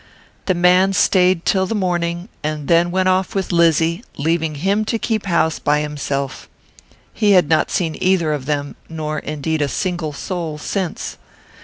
The man stayed till the morning, and then went off with Lizzy, leaving him to keep house by himself. He had not seen either of them, nor, indeed, a single soul since.